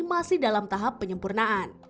masih dalam tahap penyempurnaan